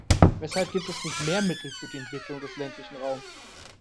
Weshalb gibt es nicht mehr Mittel für die Entwicklung des ländlichen Raums?